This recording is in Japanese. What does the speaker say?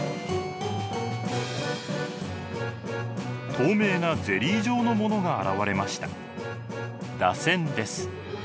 透明なゼリー状のものが現れました。